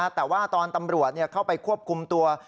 แต่ว่าตอนตำรวจเข้าไปควบคุมตัว